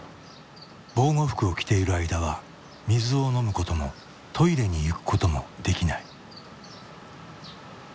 防護服を着ている間は水を飲むこともトイレに行くこともできない。